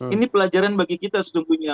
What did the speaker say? ini pelajaran bagi kita sesungguhnya